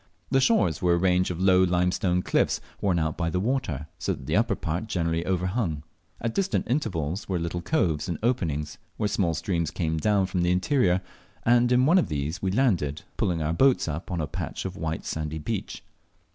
The shores were a range of low limestone cliffs, worn out by the water, so that the upper part generally overhung. At distant intervals were little coves and openings, where small streams came down from the interior; and in one of these we landed, pulling our boat up on a patch of white sandy beach.